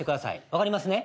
分かりますね？